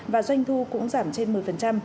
và doanh thu cũng giảm trên một mươi